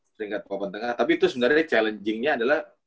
peringkat papan tengah tapi itu sebenarnya challengingnya adalah